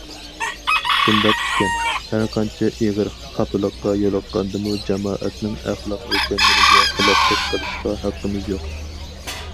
شۇنداق ئىكەن، ھەرقانچە ئېغىر خاپىلىققا يولۇققاندىمۇ جامائەتنىڭ ئەخلاق ئۆلچەملىرىگە خىلاپلىق قىلىشقا ھەققىمىز يوق.